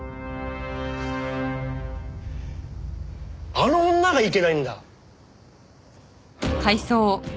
あの女がいけないんだ。